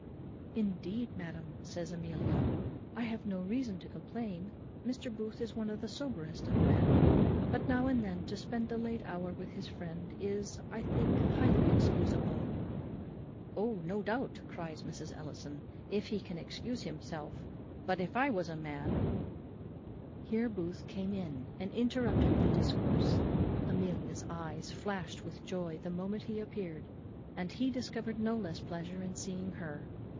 "Indeed, madam," says Amelia, "I have no reason to complain; Mr. Booth is one of the soberest of men; but now and then to spend a late hour with his friend is, I think, highly excusable." "O, no doubt! "cries Mrs. Ellison, "if he can excuse himself; but if I was a man " Here Booth came in and interrupted the discourse. Amelia's eyes flashed with joy the moment he appeared; and he discovered no less pleasure in seeing her.